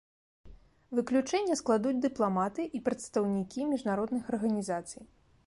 Выключэнне складуць дыпламаты і прадстаўнікі міжнародных арганізацый.